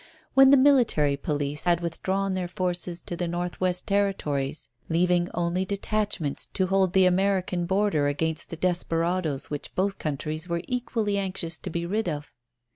When the military police had withdrawn their forces to the North West Territories, leaving only detachments to hold the American border against the desperadoes which both countries were equally anxious to be rid of.